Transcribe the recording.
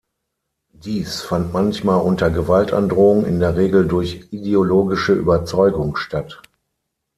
Dies fand manchmal unter Gewaltandrohung, in der Regel durch ideologische Überzeugung statt.